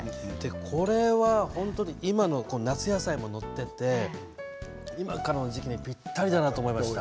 これは本当に今の夏野菜も載っていて今からの時期にぴったりだなと思いました。